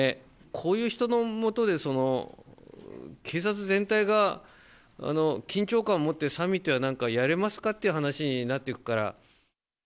こういう人の下で、警察全体が緊張感を持ってサミットやなんかやれますかっていう話になっていくから。